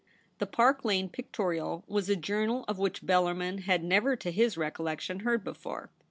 The Par^ Lane Pictorial was a journal of which Bellarmin had never \o his recollection heard before.